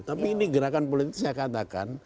tapi ini gerakan politik saya katakan